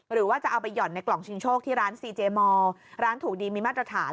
หรือว่าจะเอาไปห่อนในกล่องชิงโชคที่ร้านซีเจมอร์ร้านถูกดีมีมาตรฐาน